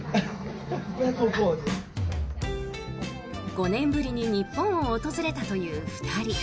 ５年ぶりに日本を訪れたという２人。